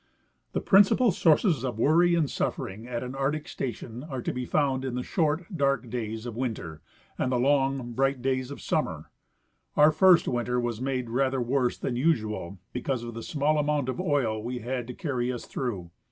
The principal sources of worry and suffering at an arctic station are to be found in the short, dark days of Avinter and the long, bright days of summer. Our first winter was made rather worse than usual because of the small amount of oil we had to carry us through.